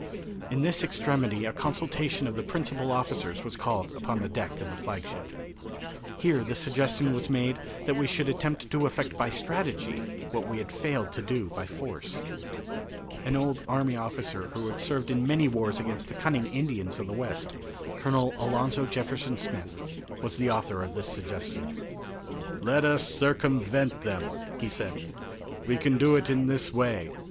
In this extremity a consultation of the principal officers was called upon the deck of the flagship. Here the suggestion was made that we should attempt to effect by strategy what we had failed to do by force. An old army officer who had served in many wars against the cunning Indians of the West, Colonel Alonzo Jefferson Smith, was the author of this suggestion. "Let us circumvent them," he said. "We can do it in this way.